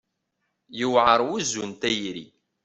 Yewɛer wuzzu n tayri.